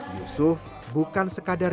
yusuf bukan sekadar dolar